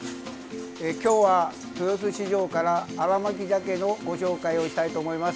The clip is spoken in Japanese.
今日は豊洲市場から、新巻鮭のご紹介をしたいと思います。